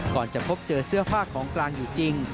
จะพบเจอเสื้อผ้าของกลางอยู่จริง